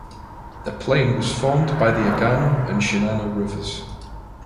The plain was formed by the Agano and Shinano rivers.